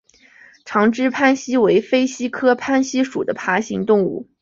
长肢攀蜥为飞蜥科攀蜥属的爬行动物。